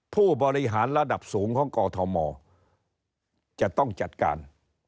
ผู้บริหารระดับสูงของกอทมจะต้องจัดการ